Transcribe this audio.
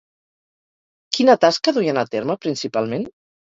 Quina tasca duien a terme, principalment?